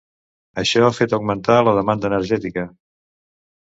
Això ha fet augmentar la demanda energètica.